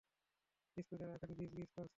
স্কুইডেরা এখানে গিজগিজ করছে।